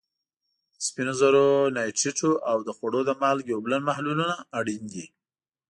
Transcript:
د سپینو زرو نایټریټو او د خوړو د مالګې اوبلن محلولونه اړین دي.